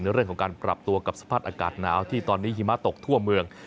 เรื่องของการปรับตัวกับสภาพอากาศหนาวที่ตอนนี้หิมะตกทั่วเมือง